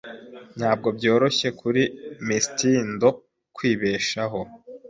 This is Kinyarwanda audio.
Ntabwo byoroshye kuri Mitsindo kwibeshaho.